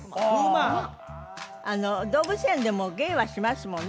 動物園でも芸はしますもんね